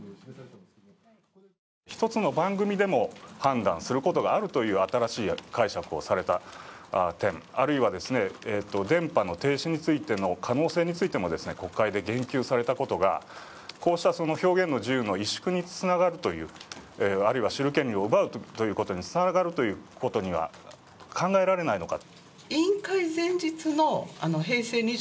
一つの番組でも判断することがあるという新しい解釈をされた点、あるいは電波の停止についての可能性についても国会で言及されたことがこうした表現の自由の萎縮につながるというあるいは知る権利を奪うということにつながるということは考えられないのか。